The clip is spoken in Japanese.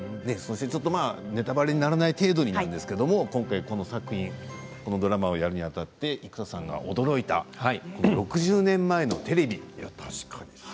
ネタばれにならない程度になるんですが、この作品をやるにあたって生田さんが驚いた６０年前のテレビ